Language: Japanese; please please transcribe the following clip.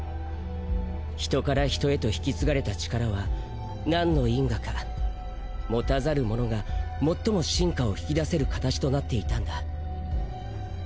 人から人へと引き継がれた力は何の因果か持たざる者が最も真価を引き出せる形となっていたんだ。